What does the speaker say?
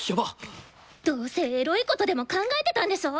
どうせエロいことでも考えてたんでしょ！？